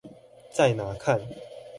在哪看？